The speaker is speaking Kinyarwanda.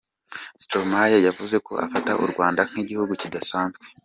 Stromae yavuze ko afata u Rwanda nk’igihugu kidasanzwe.